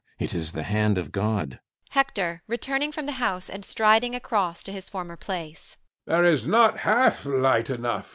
It is the hand of God. HECTOR [returning from the house and striding across to his former place]. There is not half light enough.